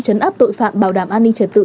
chấn áp tội phạm bảo đảm an ninh trật tự